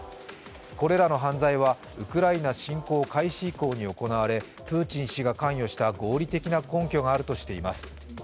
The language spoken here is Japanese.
これらの犯罪は、ウクライナ侵攻開始以降行われ、プーチン氏が関与した合理的な根拠があるとしています。